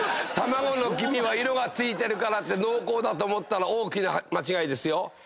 黄身に色が付いてるから濃厚だと思ったら大きな間違いですよ。